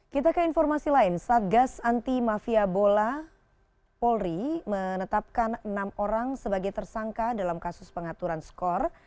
kita ke informasi lain satgas anti mafia bola polri menetapkan enam orang sebagai tersangka dalam kasus pengaturan skor